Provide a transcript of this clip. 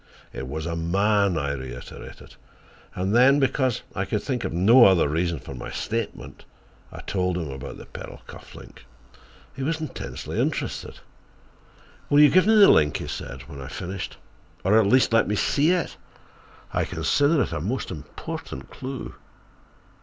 "It was a man," I reiterated. And then, because I could think of no other reason for my statement, I told him about the pearl cuff link. He was intensely interested. "Will you give me the link," he said, when I finished, "or, at least, let me see it? I consider it a most important clue."